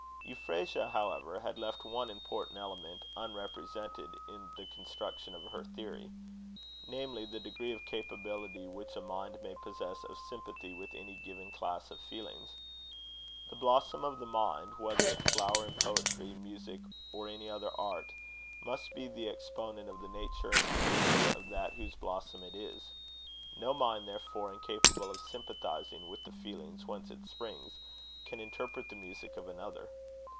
Euphrasia, however, had left one important element unrepresented in the construction of her theory namely, the degree of capability which a mind may possess of sympathy with any given class of feelings. The blossom of the mind, whether it flower in poetry, music, or any other art, must be the exponent of the nature and condition of that whose blossom it is. No mind, therefore, incapable of sympathising with the feelings whence it springs, can interpret the music of another.